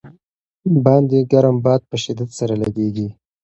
باندې ګرم باد په شدت سره لګېږي.